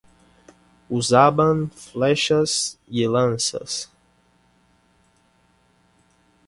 Usaban flechas y lanzas.